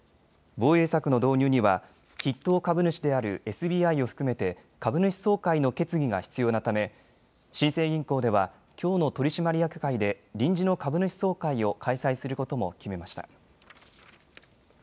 防衛策の導入には筆頭株主であるＳＢＩを含めて株主総会の決議が必要なため新生銀行では、きょうの取締役会で臨時の株主総会を開催することも決めました。